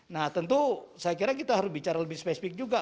nah tentu saya kira kita harus bicara lebih spesifik juga